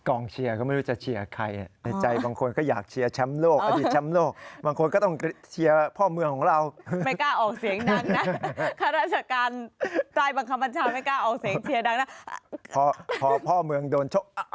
กล่องเชียร์เขาไม่รู้ว่าจะเชียร์ใคร